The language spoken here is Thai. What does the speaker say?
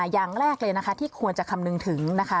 อย่างแรกเลยนะคะที่ควรจะคำนึงถึงนะคะ